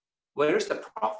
di mana keuntungan